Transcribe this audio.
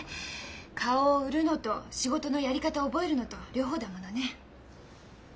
顔を売るのと仕事のやり方を覚えるのと両方だものね。